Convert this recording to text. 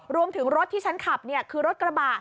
รวมถึงรถที่ฉันขับคือรถกระบะ